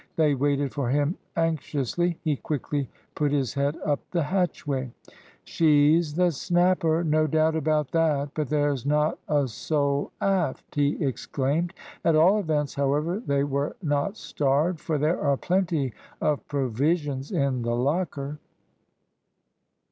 They waited for him anxiously. He quickly put his head up the hatchway. "She's the Snapper no doubt about that; but there's not a soul aft," he exclaimed. "At all events, however, they were not starved, for there are plenty of provisions in the locker."